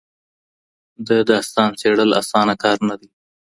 د داستان څېړل اسانه کار نه دئ.